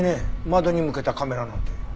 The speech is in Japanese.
窓に向けたカメラなんて。